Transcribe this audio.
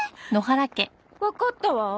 わかったわ。